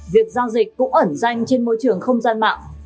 việc giao dịch cũng ẩn danh trên môi trường không gian mạng